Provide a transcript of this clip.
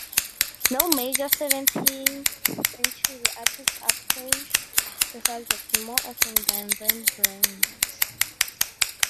No major seventeenth-century artist approached the subject more often than Rembrandt.